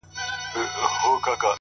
سر مي بلند دی؛